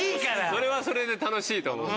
それはそれで楽しいと思う。